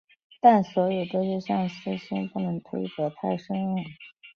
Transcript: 但所有这些相似性不能推得太深入。